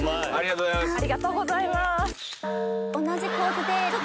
ありがとうございます。